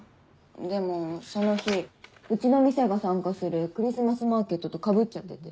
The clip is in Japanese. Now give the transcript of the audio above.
でもその日うちの店が参加するクリスマスマーケットとかぶっちゃってて。